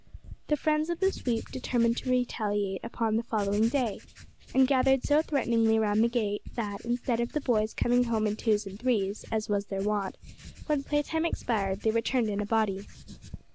The friends of the sweep determined to retaliate upon the following day, and gathered so threateningly round the gate that, instead of the boys coming home in twos and threes, as was their wont, when playtime expired, they returned in a body.